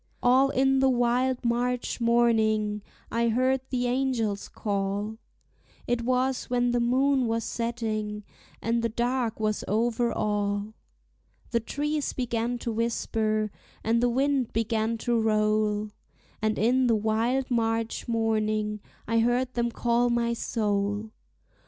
All in the wild March morning I heard the angels call, It was when the moon was setting, and the dark was over all; The trees began to whisper, and the wind began to roll, And in the wild March morning I heard them call my soul.